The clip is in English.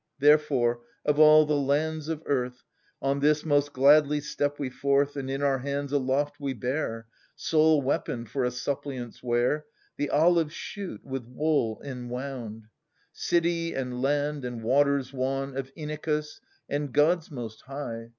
3o Therefore, of all the lands of earth, On this most gladly step we forth, And in our hands aloft we bear — Sole weapon for a suppliant's wear — The olive shoot, with wool enwound ! Cit)^, and land, and waters wan Of Inachus, and Gods most high.